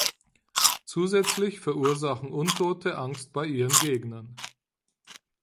Zusätzlich verursachen Untote Angst bei ihren Gegnern.